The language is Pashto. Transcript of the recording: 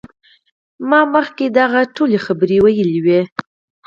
ما مخکې هغه ته دغه ټولې خبرې ویلې وې